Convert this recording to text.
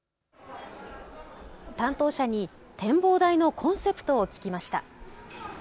担当者に展望台のコンセプトを聞きました。